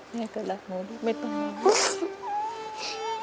แม่ก็รักหนูลูกไม่ต้อง